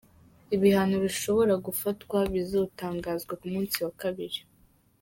Ibihano bishobora gufatwa bizotangazwa ku munsi wa kabiri.